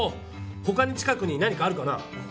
ほかに近くに何かあるかな？